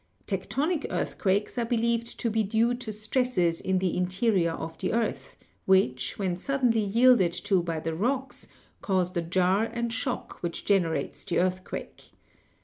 Tectonic earthquakes are believed to be due to stresses in the interior of the earth, which, when suddenly yielded to by the rocks, cause the jar and shock which generates the earthquake.